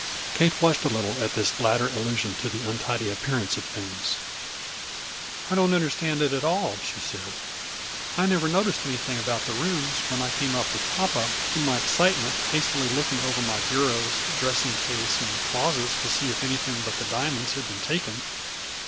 Kate flushed a little at this latter illusion to the untidy appearance of things. " I don't understand it at all," she said. " I never noticed anything about the rooms when I came up with papa, in my excitement hastily looking over my bureaus, dressing case and closets to see if anything but the diamonds had been taken."